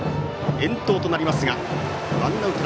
遠投となりますがアウト。